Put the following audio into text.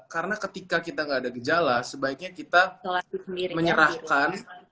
karena ketika kita gak ada gejala sebaiknya kita menyerahkan